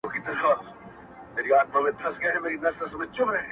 دغه صله وه د کاکل د يو جوټې خواهش